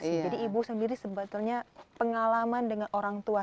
sebetulnya pengalaman dengan orang tua sebetulnya pengalaman dengan orang tua